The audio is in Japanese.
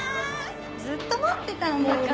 ずっと待ってたんだから。